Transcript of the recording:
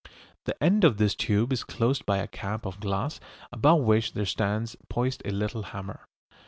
The end of this tube is closed by a cap of glass above which there stands poised a little hammer.